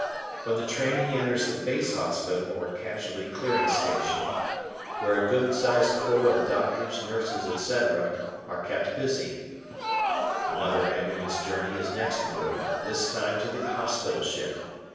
From the train he enters the base hospital or Casualty Clearing Station, where a good sized corps of doctors, nurses, etc., are kept busy. Another ambulance journey is next in order this time to the hospital ship.